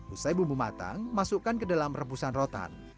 usai bumbu matang masukkan ke dalam rebusan rotan